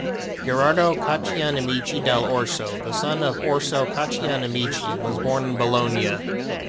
Gherardo Caccianemici dal Orso, the son of Orso Caccianemici was born in Bologna.